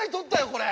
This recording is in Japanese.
これ。